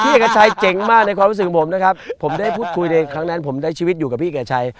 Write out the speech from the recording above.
เอกชัยเจ๋งมากในความรู้สึกของผมนะครับผมได้พูดคุยในครั้งนั้นผมได้ชีวิตอยู่กับพี่แก่ชัย